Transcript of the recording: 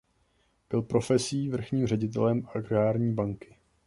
Byl profesí vrchním ředitelem Agrární banky.